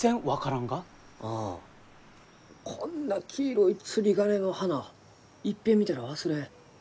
ああこんな黄色い釣り鐘の花いっぺん見たら忘れん。